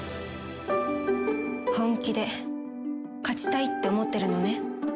本気で勝ちたいって思ってるのね？